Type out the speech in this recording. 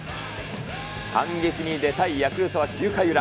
反撃に出たいヤクルトは９回裏。